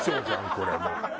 これもう。